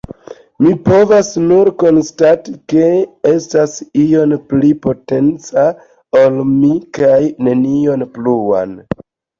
Mi povas nur konstati ke estas io pli potenca ol mi, kaj nenion pluan.